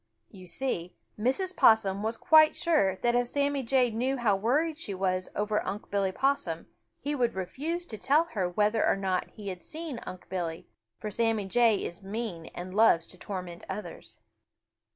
You see, Mrs. Possum was quite sure that if Sammy Jay knew how worried she was over Unc' Billy Possum, he would refuse to tell her whether or not he had seen Unc' Billy, for Sammy Jay is mean and loves to torment others.